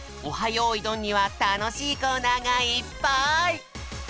よいどん」にはたのしいコーナーがいっぱい！